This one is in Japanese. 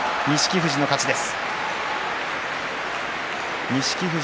富士の勝ちです。